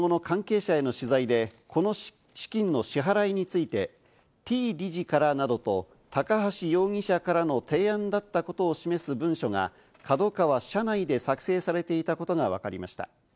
その後の関係者への取材でこの資金の支払いについて「Ｔ理事から」などと高橋容疑者からの提案だったことを示す文書がＫＡＤＯＫＡＷＡ社内で作成されていたことがわかりました。